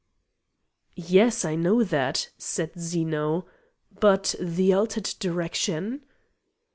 "Yes, I know that," said Zeno. "But the altered direction?"